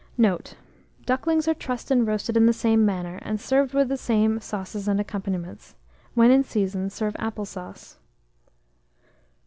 Note. Ducklings are trussed and roasted in the same manner, and served with the same sauces and accompaniments. When in season, serve apple sauce.